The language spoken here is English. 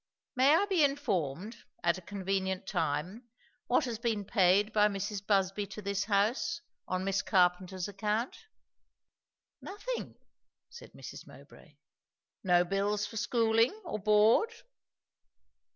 May I be informed, at a convenient time, what has been paid by Mrs. Busby to this house, on Miss Carpenter's account?" "Nothing," said Mrs. Mowbray. "No bills for schooling? or board?"